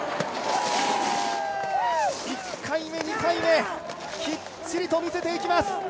１回目、２回目きっちりと見せていきます！